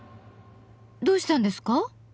どうしたんですか？